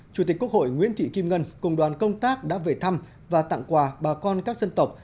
chủ tịch quốc hội nguyễn thị kim ngân cùng đoàn công tác đã về thăm và tặng quà bà con các dân tộc